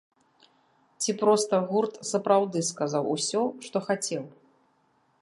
Ці проста гурт сапраўды сказаў усё, што хацеў?